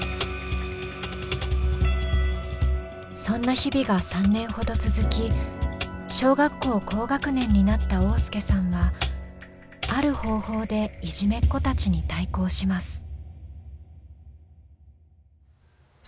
そんな日々が３年ほど続き小学校高学年になった旺亮さんはある方法でいじめっ子たちに対抗します。